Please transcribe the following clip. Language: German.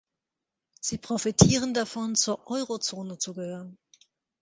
Sie profitieren davon, zur Eurozone zu gehören.